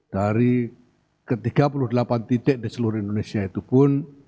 dari ke tiga puluh delapan titik di seluruh indonesia itu pun